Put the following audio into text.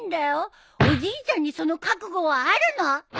おじいちゃんにその覚悟はあるの？